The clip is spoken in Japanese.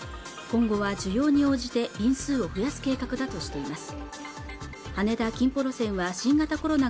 今後は需要に応じて便数を増やす計画だとしています